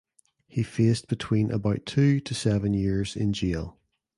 He faced between about two to seven years in jail.